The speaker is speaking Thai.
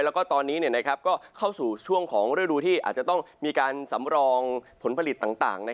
แล้วก็ตอนนี้ก็เข้าสู่ช่วงของฤดูที่อาจจะต้องมีการสำรองผลผลิตต่าง